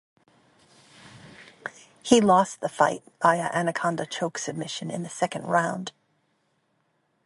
He lost the fight via anaconda choke submission in the second round.